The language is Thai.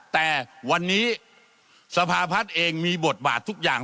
แต่วันนี้สภาพัฒน์เองมีบทบาททุกอย่าง